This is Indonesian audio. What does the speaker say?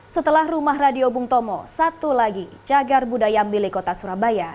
setelah rumah radio bung tomo satu lagi cagar budaya milik kota surabaya